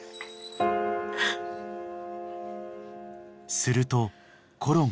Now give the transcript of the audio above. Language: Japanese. ［するとコロが］